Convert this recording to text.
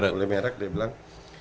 boleh merek dia bilang